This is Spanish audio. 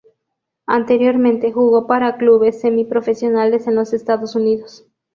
Anteriormente jugó para clubes semi-profesionales en los Estados Unidos.